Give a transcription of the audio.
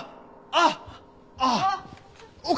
あっ。